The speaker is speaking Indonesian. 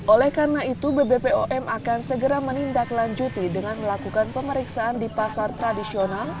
oleh karena itu bbpom akan segera menindaklanjuti dengan melakukan pemeriksaan di pasar tradisional